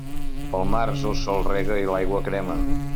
Pel març el sol rega i l'aigua crema.